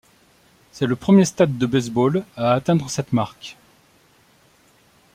C'est le premier stade de baseball à atteindre cette marque.